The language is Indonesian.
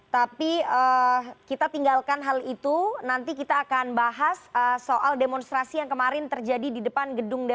tapi kita tinggalkan hal itu nanti kita akan bahas soal demonstrasi yang kemarin terjadi di depan gedung dpr